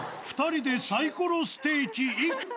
２人でサイコロステーキ１個。